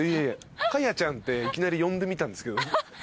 かやちゃんっていきなり呼んでみたんですけど。